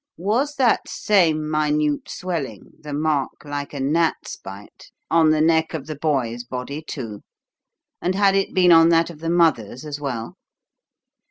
Was that same minute swelling the mark like a gnat's bite on the neck of the boy's body, too? And had it been on that of the mother's as well?"